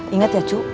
ingat ya cu